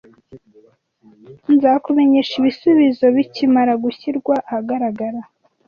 Nzakumenyesha ibisubizo bikimara gushyirwa ahagaragara.